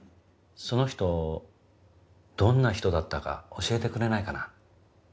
その人どんな人だったか教えてくれないかな？